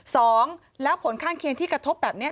สองแล้วผลข้างเคียงที่กระทบแบบนี้